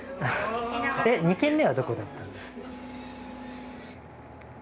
２軒目はどこだったんです？